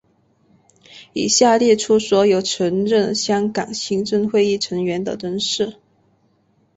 以下列出所有曾任香港行政会议成员的人士。